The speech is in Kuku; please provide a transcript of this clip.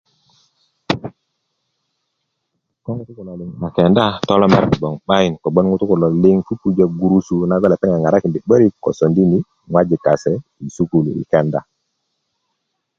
Ko ŋutú kulo liŋ a kenda tomelirian gboŋ bayin ko gboŋ ŋutú kulo liŋ pupujä gurusu nagoŋ lepeŋ ŋaŋarakindi 'barik ko sondini ŋowjik kase i sukulu i kenda